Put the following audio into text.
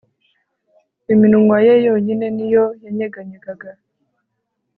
iminwa ye yonyine ni yo yanyeganyegaga